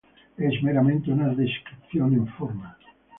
Es meramente una descripción en forma.